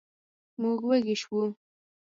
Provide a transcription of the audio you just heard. موږ وږي شوو.